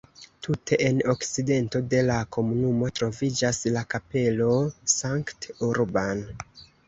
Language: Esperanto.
Tute en okcidento de la komunumo troviĝas la kapelo St-Urbain.